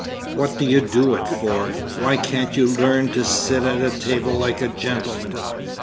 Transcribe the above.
What do you do it for? Why can't you learn to sit at table like a gentleman?"